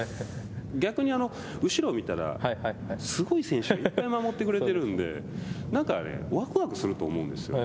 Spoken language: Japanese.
逆に、後ろを見たら、すごい選手、いっぱい守ってくれてるんでなんかわくわくすると思うんですよね。